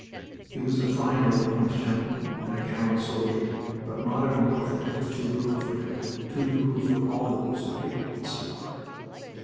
He was a fine old English gentleman and a gallant soldier, but modern warfare was too brutal for him. Too brutal for all those who hated its slaughter.